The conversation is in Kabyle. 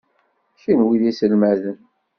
Kenwi d iselmaden.